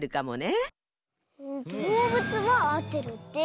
どうぶつはあってるって。